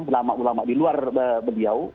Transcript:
ulama ulama di luar beliau